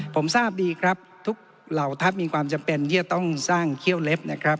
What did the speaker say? ผมทราบดีครับทุกเหล่าทัพมีความจำเป็นที่จะต้องสร้างเขี้ยวเล็บนะครับ